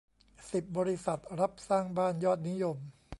สิบ บริษัทรับสร้างบ้านยอดนิยม